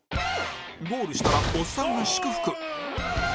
ゴールしたらオッサンが祝福